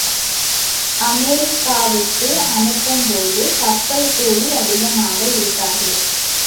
அமெரிக்காவுக்கு அனுப்பும் போது கப்பல் கூலி அதிகமாக இருக்காது.